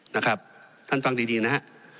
นะครับท่านฟังดีนะฮะ